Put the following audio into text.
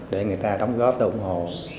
để người ta đóng góp ủng hộ